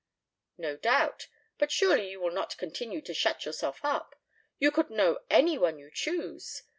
"No doubt. But surely you will not continue to shut yourself up? You could know any one you choose.